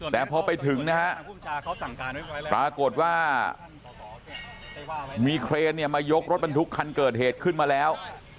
แต่พอไปถึงนะฮะปรากฏว่ามีเครนเนี่ยมายกรถบรรทุกคันเกิดเหตุขึ้นมาแล้ว